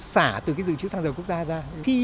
xả từ cái dự trữ xăng dầu quốc gia ra